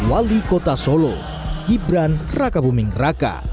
wali kota solo gibran raka buming raka